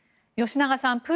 吉永さん